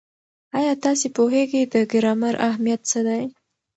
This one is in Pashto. ایا تاسې پوهېږئ د ګرامر اهمیت څه دی؟